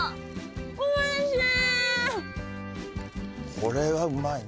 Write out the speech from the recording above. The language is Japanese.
これはうまいな。